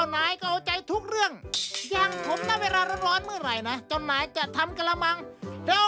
แม่งแม่งนี้ปุ๊บว่าน่าจะติดระโทษ